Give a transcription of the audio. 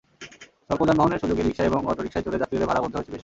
স্বল্প যানবাহনের সুযোগে রিকশা এবং অটোরিকশায় চড়ে যাত্রীদের ভাড়া গুনতে হয়েছে বেশি।